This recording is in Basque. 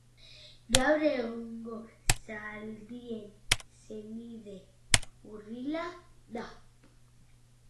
Gaur egungo zaldien senide hurbila da.